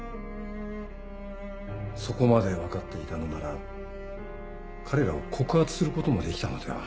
そこまで分かっていたのなら彼らを告発することもできたのでは？